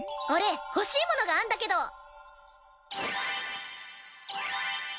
俺欲しいものがあんだけど！